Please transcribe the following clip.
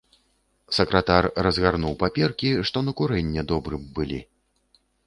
Сакратар разгарнуў паперкі, што на курэнне добры б былі.